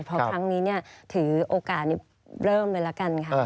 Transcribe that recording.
เพราะครั้งนี้ถือโอกาสนี้เริ่มเลยละกันค่ะ